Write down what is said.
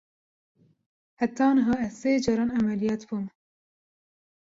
Heta niha ez sê caran emeliyat bûm.